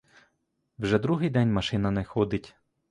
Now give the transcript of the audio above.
Вже другий день машина не ходить.